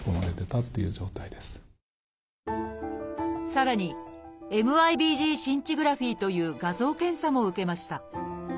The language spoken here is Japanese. さらに「ＭＩＢＧシンチグラフィー」という画像検査も受けました。